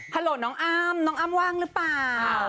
ฮัลโหลน้องอ้ามน้องอ้ามว่างหรือเปล่า